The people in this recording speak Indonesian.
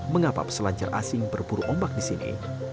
mengapa peselancar asing berburu ombak di sini